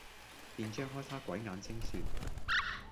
便張開他鬼眼睛説，